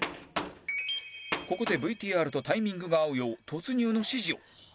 ここで ＶＴＲ とタイミングが合うよう突入の指示を